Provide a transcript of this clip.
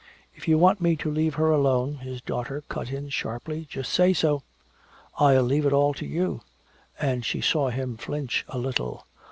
"If you want me to leave her alone," his daughter cut in sharply, "just say so! I'll leave it all to you!" And she saw him flinch a little.